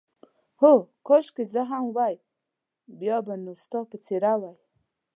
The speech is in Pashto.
هو، کاشکې زه هم وای، بیا به نو ستا په څېر وای.